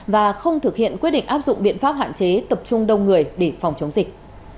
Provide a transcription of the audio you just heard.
và không thực hiện quyết định áp dụng biện pháp hạn chế tập trung đông người để phòng chống dịch